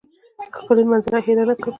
ښکلې منظره هېره نه کړم.